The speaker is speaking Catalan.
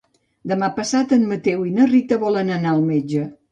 Demà passat en Mateu i na Rita volen anar al metge.